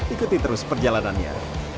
ikuti terus perjalanannya